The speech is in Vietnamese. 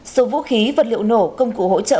số vũ khí vật liệu nổ công cụ hỗ trợ